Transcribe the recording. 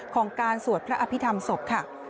ของการสวดพระอภิษฐรรมศพค่ะ